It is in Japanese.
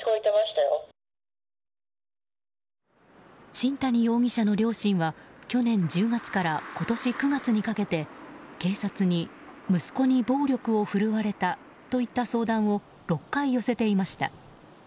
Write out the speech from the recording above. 新谷容疑者の両親は去年１０月から今年９月にかけて警察に息子に暴力を振るわれたといった相談を６回寄せていました。